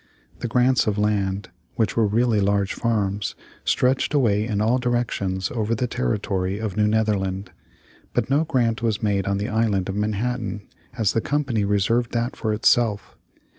The grants of land, which were really large farms, stretched away in all directions over the territory of New Netherland. But no grant was made on the Island of Manhattan, as the Company reserved that for itself.